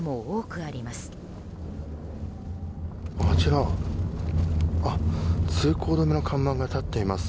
あちら通行止めの看板が立っています。